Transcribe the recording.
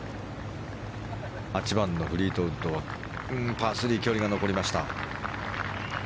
８番のフリートウッドはパー３、距離が残りました。